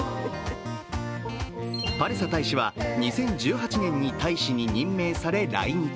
パレサ大使は２０１８年に大使に任命され、来日。